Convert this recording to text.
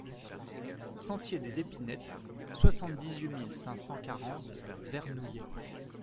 Sentier des Epinettes, soixante-dix-huit mille cinq cent quarante Vernouillet